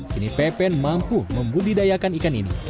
kini pepen mampu membudidayakan ikan ini